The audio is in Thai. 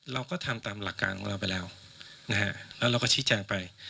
เราก็ทำตามหลักการของเราไปแล้วนะฮะแล้วเราก็ชี้แจงไป